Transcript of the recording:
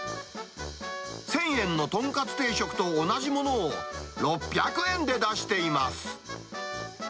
１０００円のとんかつ定食と同じものを６００円で出しています。